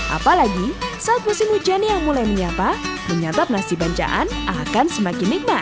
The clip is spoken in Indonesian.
apalagi saat musim hujan yang mulai menyapa menyantap nasi bancaan akan semakin nikmat